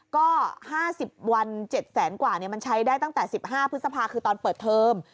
ก็๕๐วัน๗แสนกว่ามันใช้ได้ตั้งแต่๑๕พฤษภาคือตอนเปิดเทอม